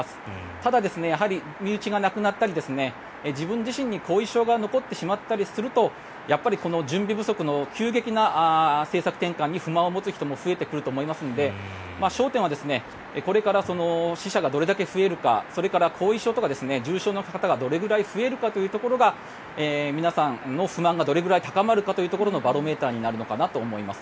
ただやはり身内が亡くなったり自分自身に後遺症が残ってしまったりするとやっぱり準備不足の急激な政策転換に不満を持つ人も増えてくると思いますので焦点はこれから死者がどれだけ増えるかそれから後遺症とか重症の方がどれだけ増えるかというところが皆さんの不満がどのくらい高まるかというところのバロメーターになるのかなと思います。